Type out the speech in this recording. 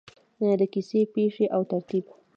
د کیسې پیښې او ترتیب: